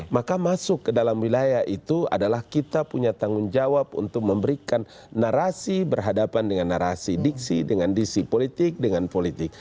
maka masuk ke dalam wilayah itu adalah kita punya tanggung jawab untuk memberikan narasi berhadapan dengan narasi diksi dengan diksi politik dengan politik